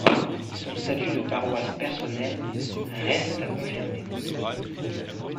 Son statut de paroisse personnelle reste à confirmer.